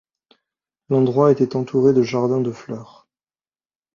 L'endroit était entouré de jardins de fleurs.